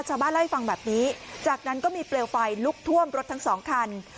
ชาวบ้านเล่าให้ฟังแบบนี้จากนั้นก็มีเปลวไฟลุกท่วมรถทั้งสองคัน